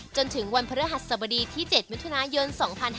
จนถึงวันพระฤหัสสบดีที่๗มิถุนายน๒๕๕๙